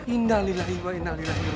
innalillah ibu innalillah ibu